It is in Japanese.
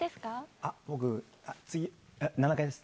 あ、僕、次、７階です。